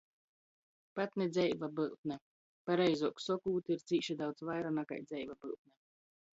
Pat ni dzeiva byutne, pareizuok sokūt, ir cīši daudz vaira nakai dzeiva byutne!